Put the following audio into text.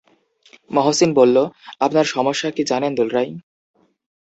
মহসিন বলল, আপনার সমস্যা কি জানেন দুলড়াই?